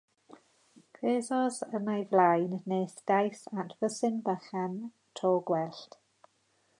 Cerddodd yn ei flaen nes daeth at fwthyn bychan to gwellt.